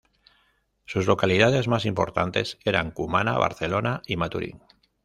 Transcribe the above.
Sus localidades más importantes eran Cumaná, Barcelona y Maturín.